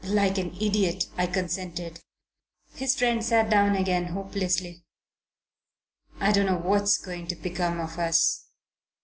Like an idiot, I consented." His friend sat down again hopelessly. "I don't know what's going to become of us.